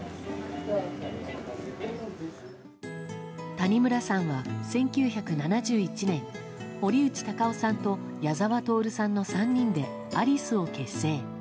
谷村さんは１９７１年堀内孝雄さんと矢沢透さんの３人でアリスを結成。